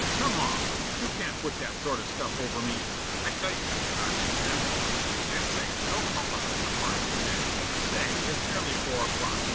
Come off! You can't put that sort of stuff over me " Plaza 00100: "I tell you she's not in. That's all. And say, don't call up this apartment again at " Smilk: "Say, it's nearly four o'clock.